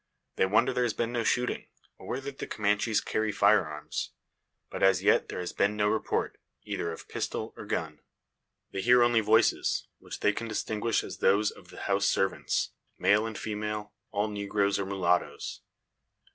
They wonder there has been no shooting, aware that the Comanches carry fire arms. But as yet there has been no report, either of pistol, or gun! They hear only voices which they can distinguish as those of the house Servants male and female all negroes or mulattoes.